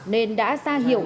nên đã ra hiệu